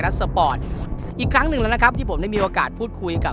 เราแก้อข้ามปล่ำเป็นอะไร